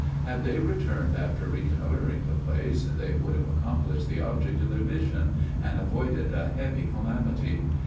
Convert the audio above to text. Had they returned after reconnoitering the place, they would have accomplished the object of their mission, and avoided a heavy calamity.